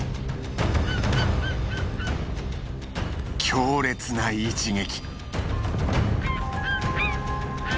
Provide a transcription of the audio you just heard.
強烈な一撃。